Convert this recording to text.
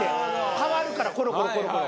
変わるからコロコロコロコロ。